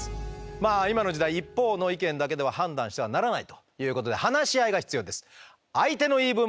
まあ今の時代一方の意見だけでは判断してはならないということで話し合いが必要です。